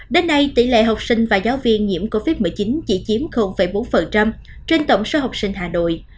đến nay tỷ lệ học sinh và giáo viên nhiễm covid một mươi chín chỉ chiếm bốn trên tổng số học sinh hà nội